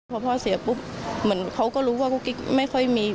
พอพ่อเสียปุ๊บเหมือนเขาก็รู้ว่าไม่ค่อยมี